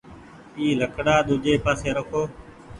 اي لڪڙآ ۮوجي پآسي رکو